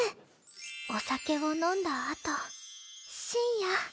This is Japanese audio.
お酒を飲んだあと深夜。